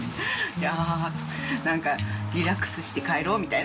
いやなんかリラックスして帰ろうみたいな。